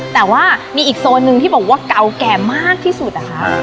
แต่ว่ามีอีกโซนนึงที่บอกว่าเก่าแก่มากที่สุดอะคะ